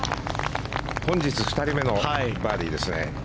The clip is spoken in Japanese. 本日２人目のバーディーですね。